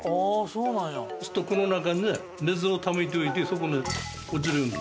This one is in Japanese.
そうするとこの中に水をためておいてそこに落ちるように。